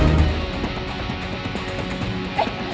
ya jangan dong